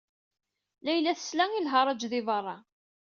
Layla tesla i lharaǧ di beṛṛa.